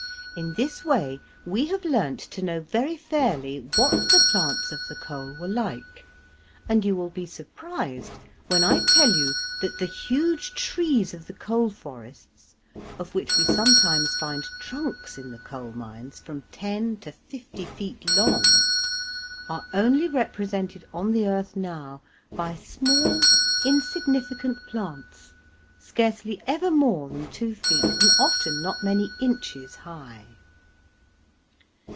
In this way we have learnt to know very fairly what the plants of the coal were like, and you will be surprised when I tell you that the huge trees of the coal forests, of which we sometimes find trunks in the coal mines from ten to fifty feet long, are only represented on the earth now by small insignificant plants, scarcely ever more than two feet, and often not many inches high.